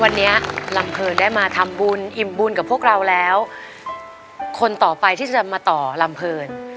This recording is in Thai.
วันนี้ลำเพลินได้มาทำบุญอิ่มบุญกับพวกเราแล้วคนต่อไปที่จะมาต่อลำเพลิน